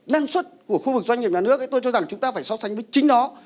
năng suất của khu vực doanh nghiệp nhà nước tôi cho rằng chúng ta phải so sánh với chính nó